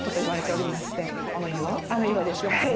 あの岩ですはい。